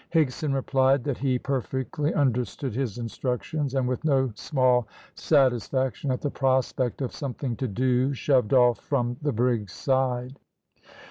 Higson replied that he perfectly understood his instructions, and with no small satisfaction at the prospect of something to do, shoved off from the brig's side.